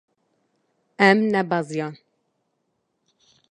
Em nebeziyan.